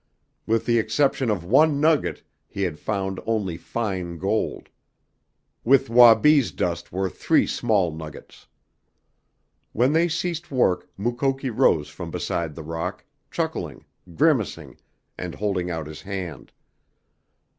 With the exception of one nugget he had found only fine gold. With Wabi's dust were three small nuggets. When they ceased work Mukoki rose from beside the rock, chuckling, grimacing, and holding out his hand.